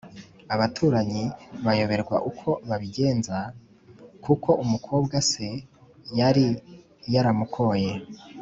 Abaturanyi Bayoberwa uko babigenza, kuko umukobwa se yari yaramukoye